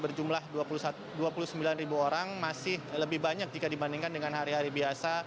berjumlah dua puluh sembilan ribu orang masih lebih banyak jika dibandingkan dengan hari hari biasa